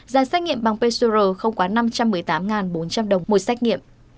giá xét nghiệm bằng pesoro không quá năm trăm một mươi tám bốn trăm linh đồng một xét nghiệm